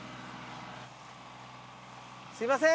すみません！